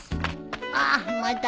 ああまた。